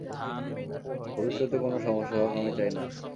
ভবিষ্যতে কোনও সমস্যা হোক, আমি চাই না।